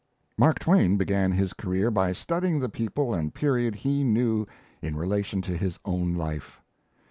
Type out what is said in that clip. Mark Twain began his career by studying the people and period he knew in relation to his own life.